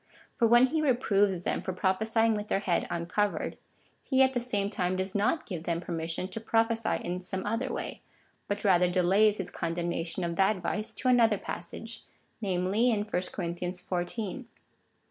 For when he reproves them for prophesying with their head uncovered, he at the same time does not give them permission to prophesy in some other way, but rather delays his condemnation of that vice to an other passage, namely in chapter xiv.